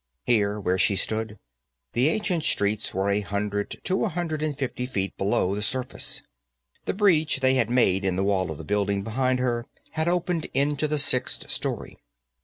Here, where she stood, the ancient streets were a hundred to a hundred and fifty feet below the surface; the breach they had made in the wall of the building behind her had opened into the sixth story.